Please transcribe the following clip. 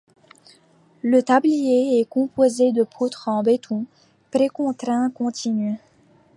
Le tablier est composé de poutres en béton précontraint continues.